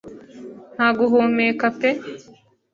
Nta guhumeka pe